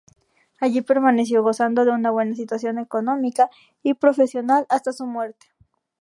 Allí permaneció gozando de una buena situación económica y profesional hasta su muerte.